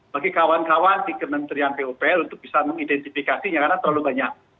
bagi kawan kawan di kementerian pupr untuk bisa mengidentifikasinya karena terlalu banyak